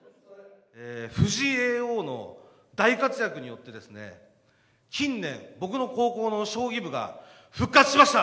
藤井叡王の大活躍によってですね、近年、僕の高校の将棋部が復活しました！